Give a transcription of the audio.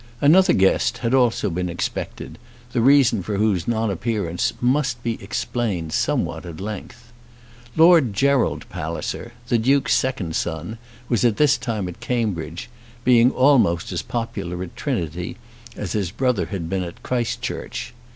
Another guest had also been expected, the reason for whose non appearance must be explained somewhat at length. Lord Gerald Palliser, the Duke's second son, was at this time at Cambridge, being almost as popular at Trinity as his brother had been at Christ Church.